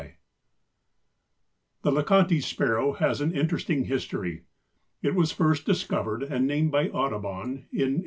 _) The Leconte's Sparrow has an interesting history. It was first discovered and named by Audubon in 1843.